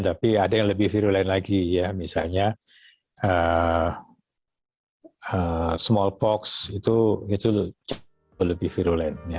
tapi ada yang lebih virulen lagi ya misalnya smallpox itu lebih virulen